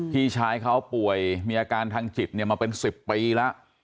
พี่ชายเขาป่วยมีอาการทางจิตมาเป็น๑๐ปีแล้ว